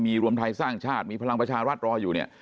มีรวมไทยสร้างชาติมีพลังประชารัฐรออยู่เนี่ย